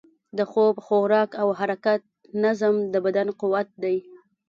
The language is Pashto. د خوب، خوراک او حرکت نظم، د بدن قوت دی.